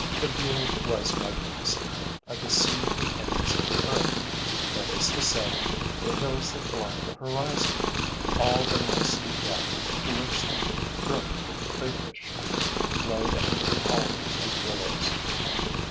The view was magnificent. I could see the ends of the earth, that is to say, the hills that blocked the horizon, all but a misty gap through which the brook with the crayfish flowed under the alders and willows.